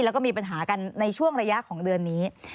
แล้วก็มีปัญหากันในช่วงระยะของเดือนนี้